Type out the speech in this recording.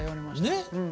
ねっ。